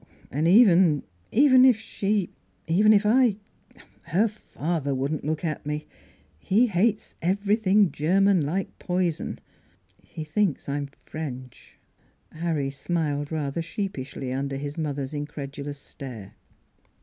" And even if she even if I her father wouldn't look at me. He hates everything Ger man like poison. ... He thinks I'm French." Harry smiled rather sheepishly under his mother's incredulous stare.